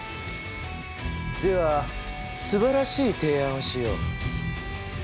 ではすばらしい提案をしよう。